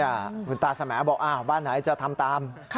คุณตาสมบอกบ้านไหนจะทำตาม